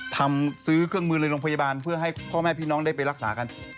ทำซื้อเครื่องมือในโรงพยาบาลเพื่อให้พ่อแม่พี่น้องได้ไปรักษากัน